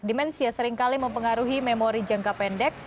demensia seringkali mempengaruhi memori jangka pendek